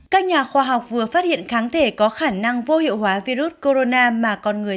các nhà khoa học vừa phát hiện kháng thể có khả năng vô hiệu hóa virus corona mà con người